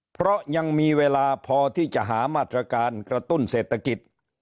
เพราะยังมีเวลาพอที่จะหามาตรการกระตุ้นเศรษฐกิจ